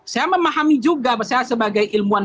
saya memahami juga saya sebagai ilmuwan